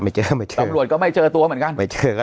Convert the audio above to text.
เจอไม่เจอตำรวจก็ไม่เจอตัวเหมือนกันไม่เจอกัน